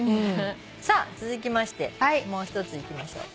さあ続きましてもう一ついきましょう。